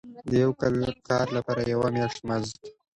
د یو کال کار لپاره یو میاشت مزد.